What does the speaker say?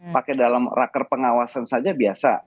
pakai dalam raker pengawasan saja biasa